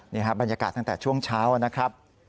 นี่ครับบรรยากาศตั้งแต่ช่วงเช้านะครับ